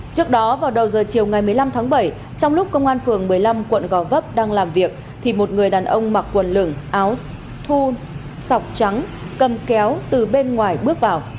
trước đó vào đầu giờ chiều ngày một mươi năm tháng bảy trong lúc công an phường một mươi năm quận gò vấp đang làm việc thì một người đàn ông mặc quần lửng áo thu sọc trắng cầm kéo từ bên ngoài bước vào